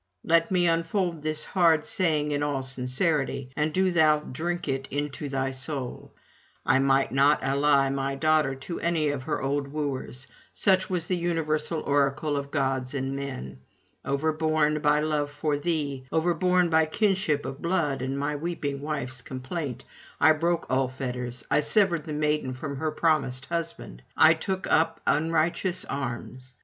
Let me unfold this hard saying in all sincerity: and do thou drink it into thy soul. I might not ally my daughter to any of her old wooers; such was the universal oracle of gods and men. Overborne by love for thee, overborne by kinship of blood and my weeping wife's complaint, I broke all fetters, I severed the maiden from her promised husband, I took up unrighteous arms.